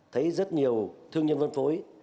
thấy rất nhiều thương nhân phân phối